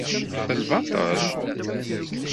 D lbaṭel?